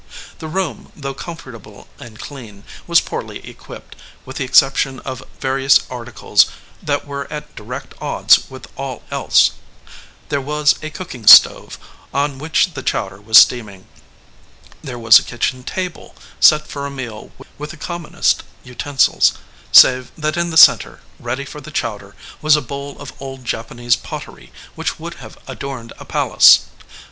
The room, though comfortable and clean, was poorly equipped, with the exception of various articles that were at direct odds with all else. There was 134 THE OUTSIDE OF THE HOUSE a cooking stove, on which the chowder was steam ing. There was a kitchen table, set for a meal with the commonest utensils, save that in the center, ready for the chowder, was a bowl of old Japanese pottery which would have adorned a palace.